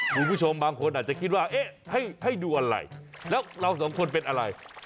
คุณผู้ชมบางคนอาจจะคิดว่าเอ๊ะให้ดูอะไรแล้วเราสองคนเป็นอะไร